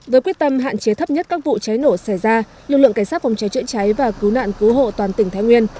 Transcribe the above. với quyết tâm hạn chế thấp nhất các vụ cháy nổ xảy ra lực lượng cảnh sát phòng cháy chữa cháy và cứu nạn cứu hộ toàn tỉnh thái nguyên